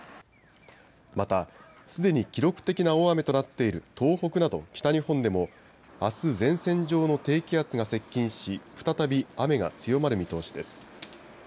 また、すでに記録的な大雨となっている東北など北日本でもあす前線上の低気圧が接近し再び雨が強まる見通しです。